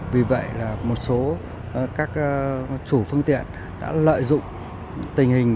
vì vậy là một số các chủ phương tiện đã lợi dụng tình hình